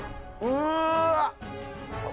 うわ！